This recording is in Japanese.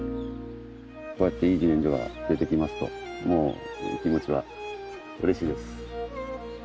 こうやっていい自然薯が出てきますともう気持ちは嬉しいです。